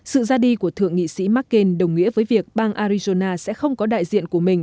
sự ra đi của thượng nghị sĩ mccain đồng nghĩa với việc bang arizona sẽ không có đại diện của mình